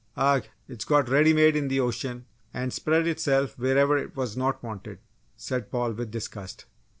"Agh! It's got ready made in the ocean and spread itself wherever it was not wanted!" said Paul, with disgust.